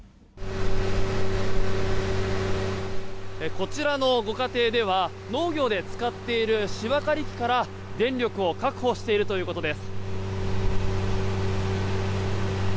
こちらのご家庭では農業で使っている芝刈り機から、電力を確保しているということです。